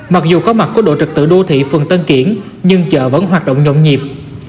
mặc dù có mặt của đội trực tự đô thị phường tân kiển nhưng chợ vẫn hoạt động nhộn nhịp